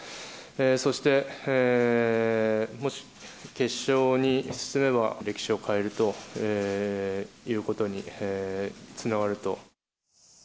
そして、もし決勝に進めば、歴史を変えるということにつながると。